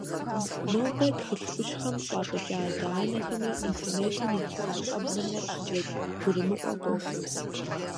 Нобэ, тхылъ Ӏущхэм щӀапӀыкӀа адэ-анэхэмрэ интернетым игъэса щӀэблэмрэ щызэгурымыӀуэ къохъу.